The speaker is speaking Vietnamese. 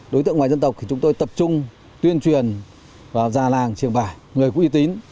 đối tượng ngoài dân tộc thì chúng tôi tập trung tuyên truyền và ra làng truyền bài người quý tín